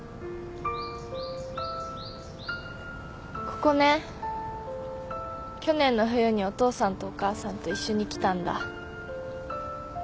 ここね去年の冬にお父さんとお母さんと一緒に来たんだ。